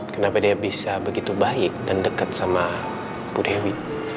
kenapa dia bisa begitu baik dan dekat sama bu dewi